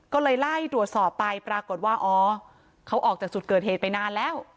ก็เลยไล่ตรวจสอบไปปรากฏว่าอ๋อเขาออกจากจุดเกิดเหตุไปนานแล้ว